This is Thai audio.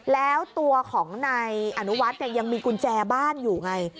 แล้วตัวของนายอนุวัฒน์ยังมีกุญแจบ้านอยู่ไง